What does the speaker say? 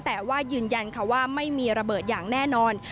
แต่ว่ายืนยันค่ะว่าไม่มีระเบิดอย่างแน่นอน